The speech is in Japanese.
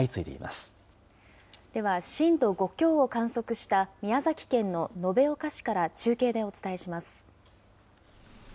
では、震度５強を観測した宮崎県の延岡市から中継でお伝えします。